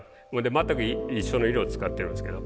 全く一緒の色を使ってるんですけど。